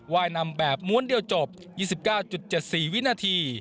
ยนำแบบม้วนเดียวจบ๒๙๗๔วินาที